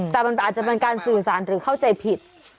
แต่มันอาจจะเป็นการสื่อสารหรือเข้าใจผิด